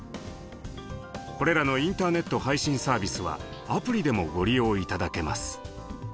これらのインターネット配信サービスはアプリでもご利用頂けます。